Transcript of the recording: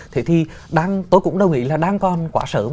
thế thì tôi cũng đồng ý là đang còn quá sớm